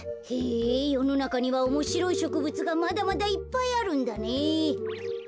へえよのなかにはおもしろいしょくぶつがまだまだいっぱいあるんだね。